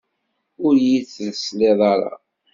Ur yi-d-tesliḍ ara?